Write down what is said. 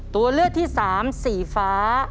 ตัวเลือกที่สามสีฟ้า